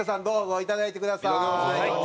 どうぞ。